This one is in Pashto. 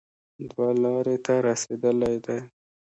دوه لارې ته رسېدلی دی